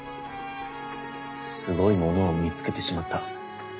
すごいものを見つけてしまった。